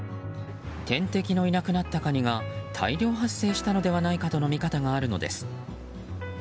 天敵のいなくなったカニが大量発生したのではないかとの見方があるのです。